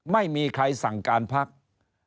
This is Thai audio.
ไม่มีใครสั่งการพัก